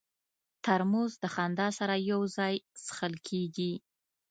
ترموز د خندا سره یو ځای څښل کېږي.